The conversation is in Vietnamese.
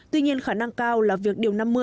tuy nhiên khả năng cao là việc điều năm mươi